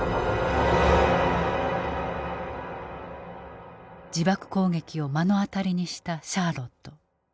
自爆攻撃を目の当たりにしたシャーロッド。